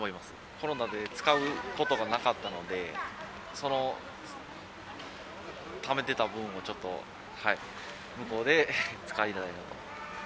コロナで使うことがなかったので、その貯めてたぶんをちょっと向こうで使いたいなと。